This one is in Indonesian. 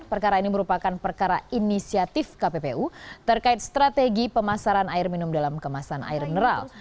perkara ini merupakan perkara inisiatif kppu terkait strategi pemasaran air minum dalam kemasan air mineral